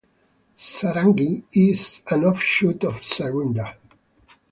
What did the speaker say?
Sarangi is an offshoot of Sarinda.